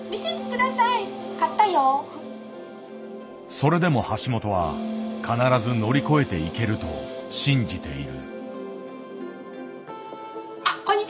それでも橋本は必ず乗り越えていけると信じている。